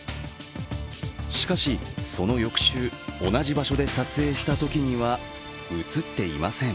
しかし、その翌週、同じ場所で撮影したときには写っていません。